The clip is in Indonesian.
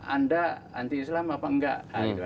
anda anti islam apa enggak